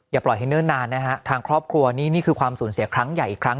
ปล่อยให้เนิ่นนานนะฮะทางครอบครัวนี่นี่คือความสูญเสียครั้งใหญ่อีกครั้ง